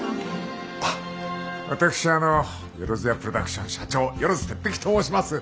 あ私あのよろずやプロダクション社長萬鉄壁と申します。